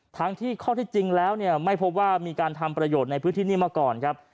ทั้งที่ข้อที่จริงแล้วเนี่ยไม่พบว่ามีการทำประโยชน์ในพื้นที่นี่มาก่อนครับ